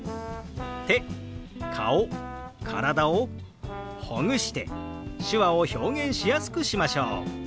手顔体をほぐして手話を表現しやすくしましょう！